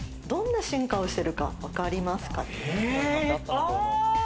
どんな進化をしてるか、わかりますか？